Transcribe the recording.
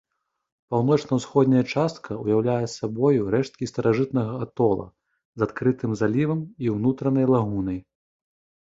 Паўночна-ўсходняя частка ўяўляе сабою рэшткі старажытнага атола з адкрытым залівам і ўнутранай лагунай.